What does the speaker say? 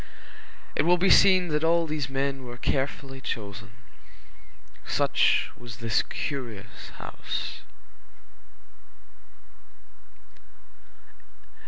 It will be seen that all these men were carefully chosen. Such was this curious house.